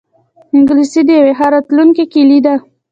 انګلیسي د یوی ښه راتلونکې کلۍ ده